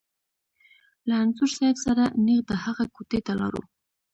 له انځور صاحب سره نېغ د هغه کوټې ته لاړو.